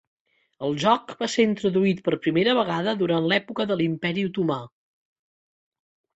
El joc va ser introduït per primera vegada durant l'època de l'Imperi Otomà.